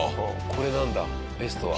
これなんだベストは。